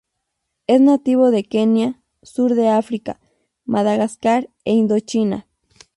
Es nativo de Kenia, Sur de África, Madagascar e Indochina.